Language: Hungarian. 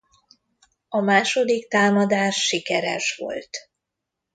A második támadás sikeres volt.